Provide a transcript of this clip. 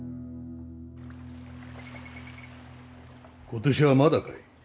今年はまだかい？